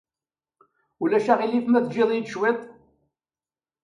Ulac aɣilif ma tejjiḍ-iyi-d cwiṭ?